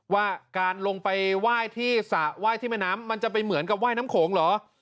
ว่าการลงไปไหว้ที่สระไหว้ที่แม่น้ำมันจะไปเหมือนกับว่ายน้ำโขงเหรอ